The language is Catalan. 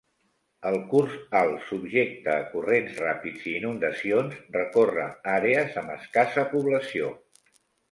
El curs alt, subjecte a corrents ràpids i inundacions, recorre àrees amb escassa població.